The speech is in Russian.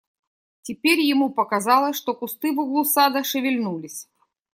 Теперь ему показалось, что кусты в углу сада шевельнулись.